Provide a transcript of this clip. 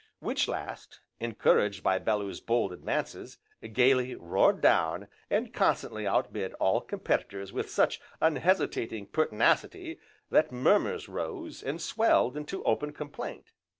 Which last, encouraged by Bellew's bold advances, gaily roared down, and constantly out bid all competitors with such unhesitating pertinacity, that murmurs rose, and swelled into open complaint.